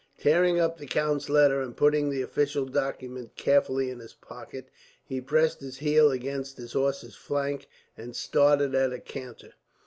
Tearing up the count's letter, and putting the official document carefully in his pocket, he pressed his heel against his horse's flank, and started at a canter.